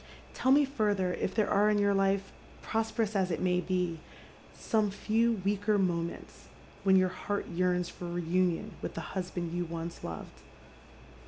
" Tell me further if there are in your life — prosperous as it may be — some few weaker moments when your heart yearns for reunion with the husbacd jou once loved.